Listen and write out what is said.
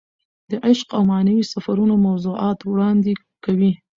د عشق او معنوي سفرونو موضوعات وړاندې کوي.